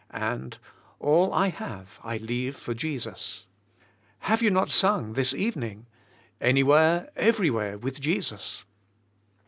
and, "All I hare I leave for Jesus?" Have you not sung this evening, "Anywhere, everywhere with Jesus?"